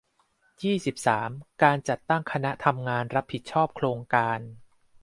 ยี่สิบสาม การจัดตั้งคณะทำงานรับผิดชอบโครงการ